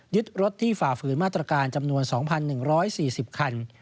ยึดรถที่ฝ่าฝืนมาตรการจำนวน๒๑๔๐คัน